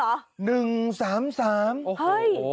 โอ้โห